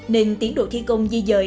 nên tiến độ thi công di dời